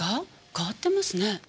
変わってますね。